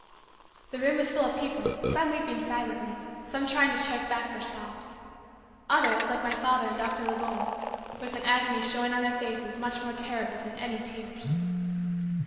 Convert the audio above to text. The room was full of people, some weeping silently, some trying to choke back their sobs. Others, like my father and Dr. Lebon, with an agony showing on their faces much more terrible than any tears.